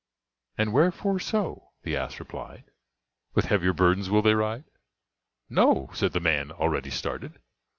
"And wherefore so?" the ass replied; "With heavier burdens will they ride?" "No," said the man, already started.